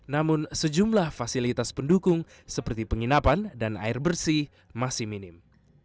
namun sejumlah fasilitas pendukung seperti penginapan dan air bersih masih minim